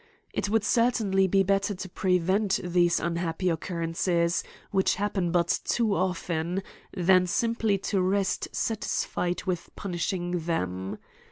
It would certainly be better to prevent ^htst unhappy occurrences, which happen but too often, than simply to rest satisfied with punishing them.